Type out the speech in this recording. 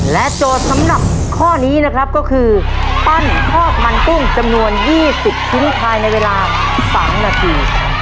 โจทย์สำหรับข้อนี้นะครับก็คือปั้นทอดมันกุ้งจำนวน๒๐ชิ้นภายในเวลา๓นาที